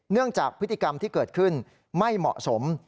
จากพฤติกรรมที่เกิดขึ้นไม่เหมาะสม